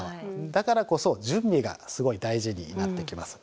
だからこそ準備がすごい大事になってきます。